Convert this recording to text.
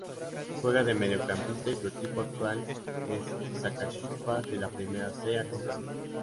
Juega de mediocampista y su equipo actual es Sacachispas de la Primera C Argentina.